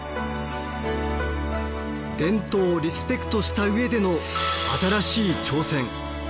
伝統をリスペクトした上での新しい挑戦。